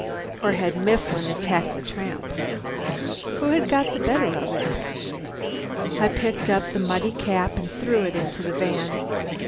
Or had Mifflin attacked the tramp? Who had got the better of it? I picked up the muddy cap and threw it into the van.